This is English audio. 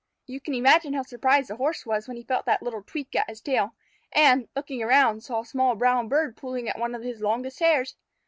You can imagine how surprised the Horse was when he felt that little tweak at his tail, and, looking around, saw a small brown bird pulling at one of his longest hairs.